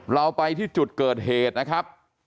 เราไปที่จุดเกิดเหตุนะครับ